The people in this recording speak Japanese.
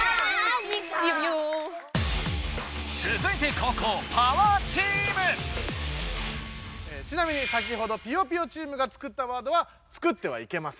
続いて後攻ちなみに先ほどぴよぴよチームが作ったワードは作ってはいけません。